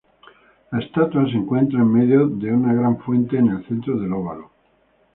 La estatua se encuentra en medio de una gran fuente, en el centro del Óvalo.